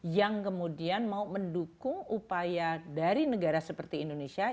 yang kemudian mau mendukung upaya dari negara seperti indonesia